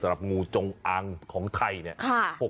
สำหรับงูจงอังของไทยเนี่ย